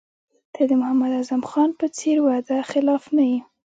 ته د محمد اعظم خان په څېر وعده خلاف نه یې.